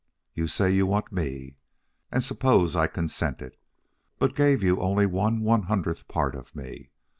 You say you want ME. And suppose I consented, but gave you only one hundredth part of me.